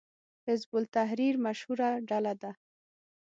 حزب التحریر مشهوره ډله ده